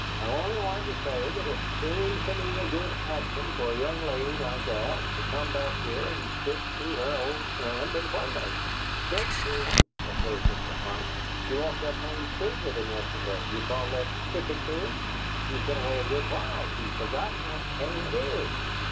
"I only wanted to say that it seems to me a good action for a young lady like that to come back here and stick to her old friend and playmate." "STICK to him!" echoed Mr. Arp. "She walked up Main Street with him yesterday. Do you call that stickin' to him? She's been away a good while; she's forgotten what Canaan IS.